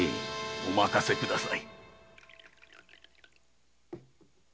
お任せください。